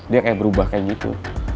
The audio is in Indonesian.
dia kayak berubah kayak gitu